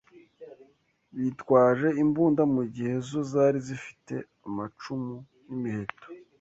bitwaje imbunda mu gihe zo zari zifite amacumu n’imiheto